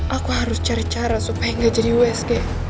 aku harus cari cara supaya nggak jadi usg